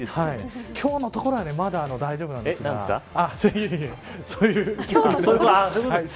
今日のところはまだ大丈夫なんですが。